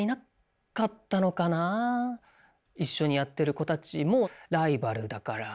一緒にやってる子たちもライバルだから。